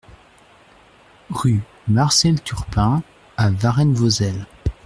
Rue Marcel Turpin à Varennes-Vauzelles